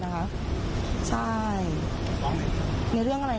ฟ้องอะไร